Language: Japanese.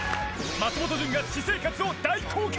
松本潤が私生活を大公開。